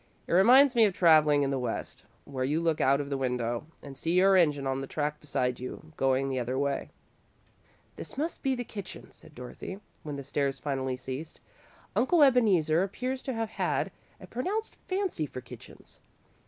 "It reminds me of travelling in the West, where you look out of the window and see your engine on the track beside you, going the other way." "This must be the kitchen," said Dorothy, when the stairs finally ceased. "Uncle Ebeneezer appears to have had a pronounced fancy for kitchens."